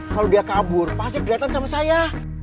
kalo dia kabur pasti keliatan sama saya